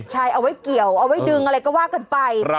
ใช่เอาไว้เกี่ยวเอาไว้ดึงอะไรก็ว่ากันไป